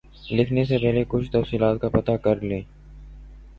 لکھنے سے پہلے کچھ تفصیلات کا پتہ کر لیں